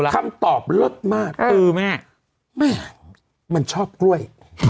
คำตอบเลิศมากเออแม่แม่มันชอบกล้วย